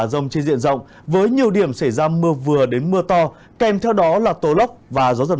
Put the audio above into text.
rông trên diện rộng với nhiều điểm xảy ra mưa vừa đến mưa to kèm theo đó là tô lốc và gió giật